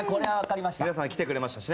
皆さん来てくれましたしね